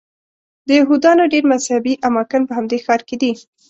د یهودانو ډېر مذهبي اماکن په همدې ښار کې دي.